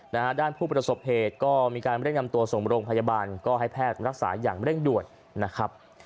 นะฮะด้านผู้ประสบเหตุก็มีการเร่งนำตัวส่งโรงพยาบาลก็ให้แพทย์รักษาอย่างเร่งด่วนนะครับ